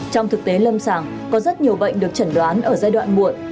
trong thực tế lâm sàng có rất nhiều bệnh được chẩn đoán ở giai đoạn muộn